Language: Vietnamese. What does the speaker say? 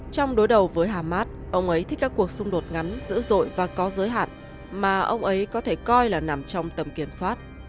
trong đối đầu với hamas ông ấy thích các cuộc xung đột ngắn dữ dội và có giới hạn mà ông ấy có thể coi là nằm trong tầm kiểm soát